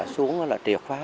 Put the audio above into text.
xuống là triệt phá